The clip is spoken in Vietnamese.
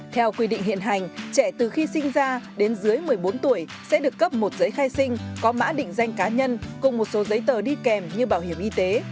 theo quy định hiện hành trẻ từ khi sinh ra đến dưới một mươi bốn tuổi sẽ được cấp một giấy khai sinh có mã định danh cá nhân cùng một số giấy tờ đi kèm như bảo hiểm y tế